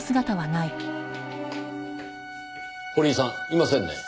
堀井さんいませんね。